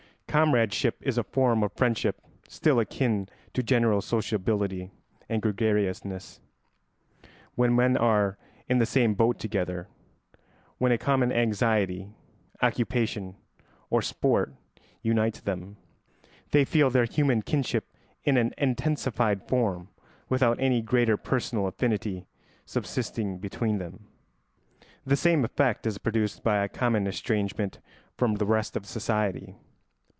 ] Comradeship is a form of friendship still akin to general sociability and gregariousness. When men are "in the same boat together," when a common anxiety, occupation, or sport unites them, they feel their human kinship in an intensified form without any greater personal affinity subsisting between them. The same effect is produced by a common estrangement from the rest of society.